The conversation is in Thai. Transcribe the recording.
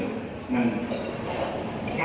มันถ้าประธานคนไม่ต้องการผมก็พร้อมที่จะ